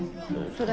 「それ」？